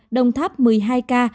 đồng tháp một mươi hai ca